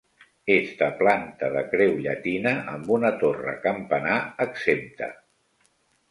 És de planta de creu llatina amb una torre campanar exempta.